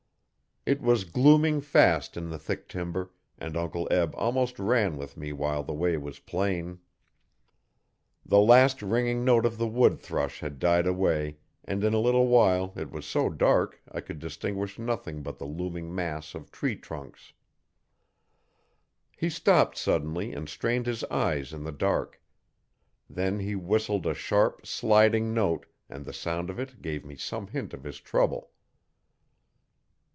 It was glooming fast in the thick timber, and Uncle Eb almost ran with me while the way was plain. The last ringing note of the wood thrush had died away and in a little while it was so dark I could distinguish nothing but the looming mass of tree trunks. He stopped suddenly and strained his eyes in the dark. Then he whistled a sharp, sliding note, and the sound of it gave me some hint of his trouble.